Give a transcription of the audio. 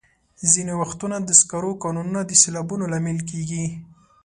ځینې وختونه د سکرو کانونه د سیلابونو لامل کېږي.